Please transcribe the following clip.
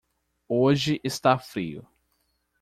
Hoje está frio